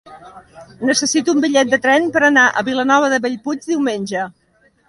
Necessito un bitllet de tren per anar a Vilanova de Bellpuig diumenge.